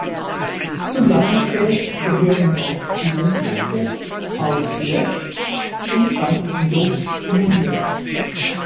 Zu Langenfeld gehören auch die Wohnplätze Auf Lesch und Sankt Jost-Mühle.